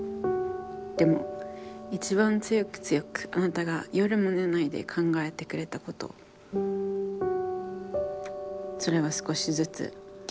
でも１番強く強くあなたが夜もねないで考えてくれたことそれは少しづつ現実になってきている。